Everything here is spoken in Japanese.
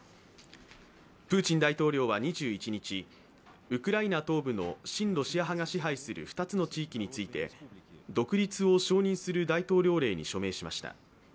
プーチン大統領は２１日、ウクライナ東部の親ロシア派が支配する２つの地域について、独立を承認する大統領令に署名しました。